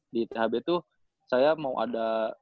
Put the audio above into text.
di thb itu saya mau ada